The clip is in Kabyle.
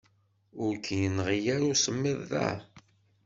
Ur k-yenɣi ara usemmiḍ da?